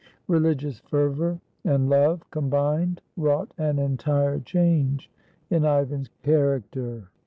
Religious fervor and love combined wrought an entire change in Ivan's character.